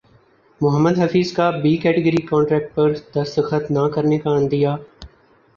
محمد حفیظ کا B category contract پر دستخط نہ کرنےکا عندیہ